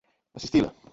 assisti-la